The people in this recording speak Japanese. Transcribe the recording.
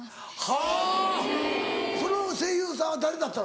はぁその声優さんは誰だったの？